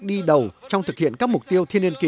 đi đầu trong thực hiện các mục tiêu thiên niên kỷ